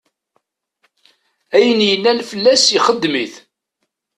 Ayen yellan fell-as ixdem-it.